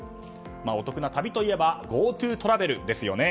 お得な旅といえばＧｏＴｏトラベルですよね。